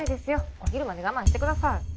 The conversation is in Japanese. お昼まで我慢してください